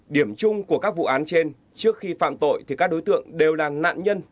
điểm chung của các vụ án trên trước khi phạm tội thì các đối tượng đều là nạn nhân